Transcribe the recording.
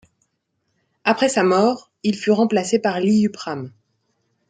Après sa mort, il fut remplacé par Liupram.